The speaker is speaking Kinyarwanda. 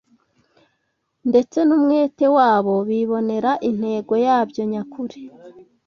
ndetse n’umwete wabo bibonera intego yabyo nyakuri